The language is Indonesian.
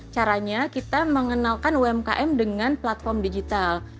caranya kita mengenalkan umkm dengan platform digital